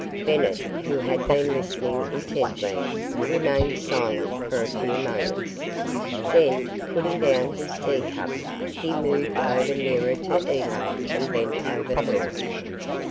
Bennett, who had been listening intently, remained silent for a few moments. Then, putting down his tea cup, he moved over nearer to Elaine and bent over her.